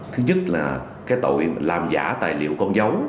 thứ nhất là cái tội làm giả tài liệu